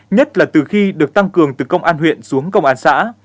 nhất là từ khi được tăng cường từ công an huyện xuống công an xã